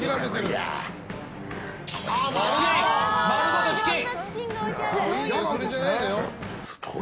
丸ごとチキン！